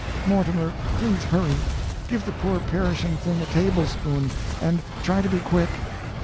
Mortimer, please hurry. Give the poor perishing thing a tablespoonful, and try to be quick!"